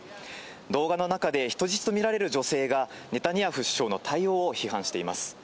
動画の中で人質とみられる女性がネタニヤフ首相の対応を批判しています。